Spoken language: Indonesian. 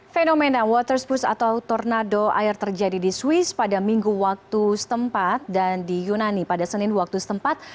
fenomena water spruce atau tornado air terjadi di swiss pada minggu waktu setempat dan di yunani pada senin waktu setempat